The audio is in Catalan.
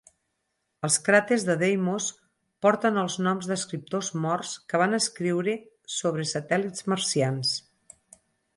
Els cràters de Deimos porten els noms d'escriptors morts que van escriure sobre satèl·lits marcians.